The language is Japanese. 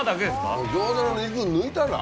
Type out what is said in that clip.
うん餃子の肉抜いたら？